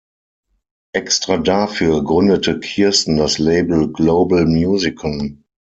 Extra dafür gründete Kirsten das Label Global-Musicon.